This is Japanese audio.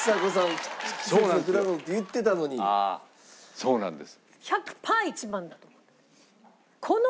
そうなんです。